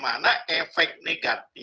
dari pilkada langsung itu ada sebagai negatif